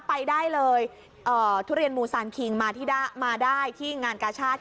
ไปได้เลยทุเรียนมูซานคิงมาได้ที่งานกาชาติ